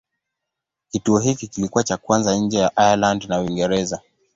Kituo hiki kilikuwa cha kwanza nje ya Ireland na Uingereza.